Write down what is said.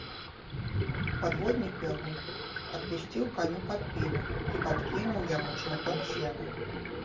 Падводнік яго адпусціў каню падпінак і падкінуў яму жмуток сена.